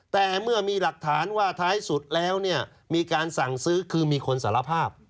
แต่เมื่อมีหลักฐานว่าท้ายสุดแล้วเนี่ยมีการสั่งซื้อคือมีคนสารภาพ